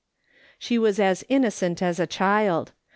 She was as innocent as a child.